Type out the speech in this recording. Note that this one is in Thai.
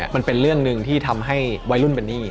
มันเป็นเรื่องหนึ่งที่ทำให้วัยรุ่นเป็นหนี้